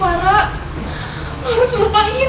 ada siapa ya